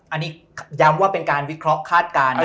อันนี้ย้ำว่าเป็นการวิเคราะห์คาดการณ์